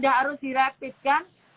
tidak harus direpitkan